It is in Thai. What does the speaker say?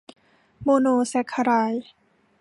โมโนแซ็กคาไรด์